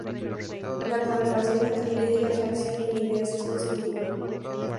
La correlación entre el líder en atracción y en ideas es positiva.